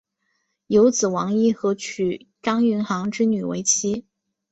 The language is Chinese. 有子王尹和娶张云航之女为妻。